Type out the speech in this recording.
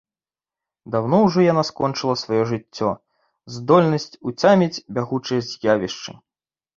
Даўно ўжо яна скончыла сваё жыццё, здольнасць уцяміць бягучыя з'явішчы.